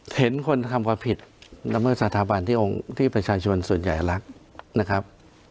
เห็นคนทำความผิดนำเมื่อสถาบันที่ประชาชนส่วนใหญ่รักนะครับ